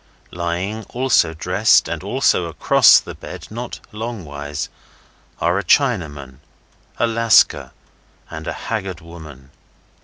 Lying, also dressed and also across the bed, not longwise, are a Chinaman, a Lascar, and a haggard woman.